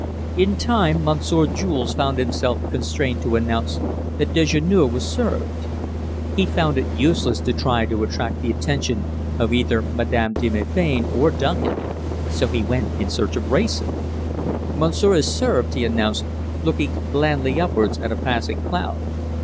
In time, Monsieur Jules found himself constrained to announce that dejeuner was served. He found it useless to try to attract the attention of either Madame de Melbain or Duncan, so he went in search of Wrayson. "Monsieur is served," he announced, looking blandly upwards at a passing cloud.